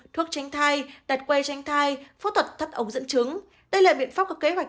thuốc tránh thai đặt quay tránh thai phẫu thuật thắt ống dẫn chứng đây là biện pháp có kế hoạch